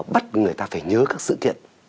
bắt người ta phải nhớ các sự kiện